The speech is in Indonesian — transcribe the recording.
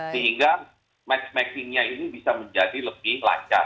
sehingga match makingnya ini bisa menjadi lebih lancar